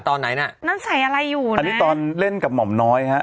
ตอนไหนน่ะนั่นใส่อะไรอยู่นะอันนี้ตอนเล่นกับหม่อมน้อยฮะ